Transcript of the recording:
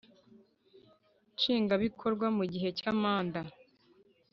Nshingwa Bikorwa Mu Gihe Cya Manda